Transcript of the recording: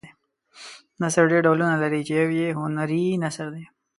نثر ډېر ډولونه لري چې یو یې هنري نثر دی.